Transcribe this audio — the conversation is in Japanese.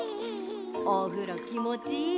おふろきもちいいもんね。